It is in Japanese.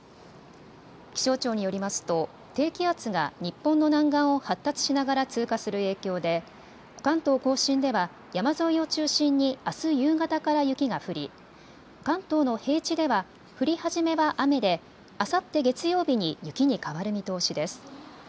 気象庁によりますと低気圧が日本の南岸を発達しながら通過する影響で関東甲信では山沿いを中心にあす夕方から雪が降り関東の平地では降り始めは雨であさって月曜日に雪に変わる見通しです。